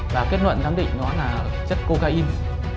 và kết luận đáng định nó là chất cocaine